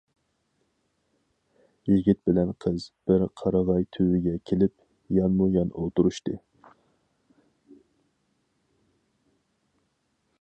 يىگىت بىلەن قىز بىر قارىغاي تۈۋىگە كېلىپ، يانمۇ — يان ئولتۇرۇشتى.